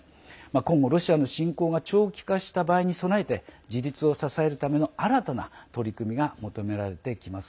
今後ロシアの侵攻が長期化することに備えて自立を支えるための新たな取り組みが求められてきます。